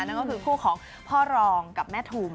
นั่นก็คือคู่ของพ่อรองกับแม่ทุม